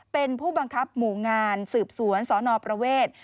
เป็นผู้บังคับหมู่งานสืบสวนสนประเวท